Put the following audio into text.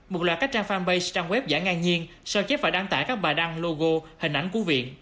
một loạt các trang fanpage trang web giả ngang nhiên sao chép và đăng tải các bài đăng logo hình ảnh của viện